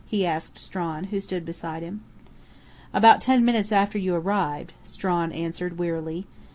he asked Strawn, who stood beside him. "About ten minutes after you arrived," Strawn answered wearily.